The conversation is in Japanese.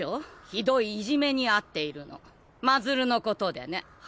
ひどいいじめに遭っているの真鶴のことでねはあ？